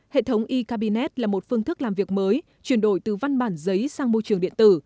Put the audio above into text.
hệ thống e cabinet là một phương thức làm việc mới chuyển đổi từ văn bản giấy sang môi trường điện tử